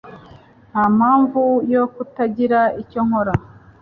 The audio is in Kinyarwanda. Ntampamvu yo kutagira icyo nkora.